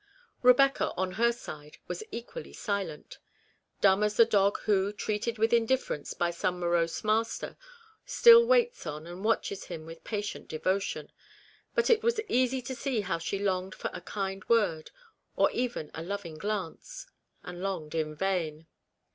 Bebecca, on her side, was equally silent ; dumb as the dog who, treated with indifference by some morose master, still waits on and watches him with patient devotion, but it was easy to see how she longed for a kind word, or even a loving glance ; and longed in vain.